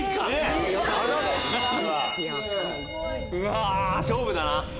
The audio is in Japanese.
うわ勝負だな。